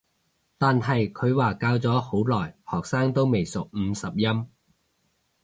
但係佢話教咗好耐學生都未熟五十音